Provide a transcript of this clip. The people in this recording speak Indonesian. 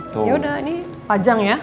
ya udah ini panjang ya